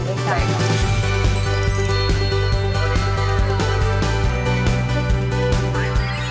ใช่ครับ